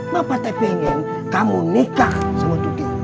bapak tak pengen kamu nikah sama tukti